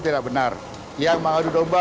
tidak benar yang mengadu domba